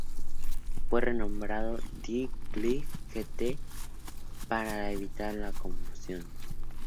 Fue renombrado como "dcgui-qt" para evitar la confusión.